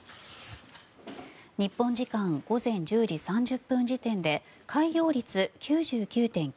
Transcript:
日本時間午前１０時３０分時点で開票率９９．９９％